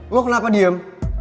lo kenapa diem